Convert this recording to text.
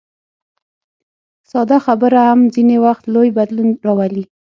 ساده خبره هم ځینې وخت لوی بدلون راولي.